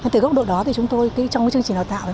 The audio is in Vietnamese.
từ góc độ đó thì chúng tôi trong chương trình đào tạo